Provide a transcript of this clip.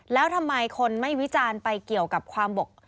แล้วทำไมคนไม่วิจารณ์ไปเกี่ยวกับความบอก